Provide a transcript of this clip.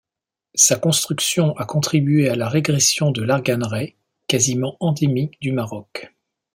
Sa construction a contribué à la régression de l'arganeraie quasiment endémique du Maroc.